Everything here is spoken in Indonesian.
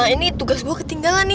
ini tugas gue ketinggalan nih